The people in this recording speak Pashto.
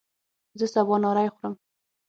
زه سبا نهاری خورم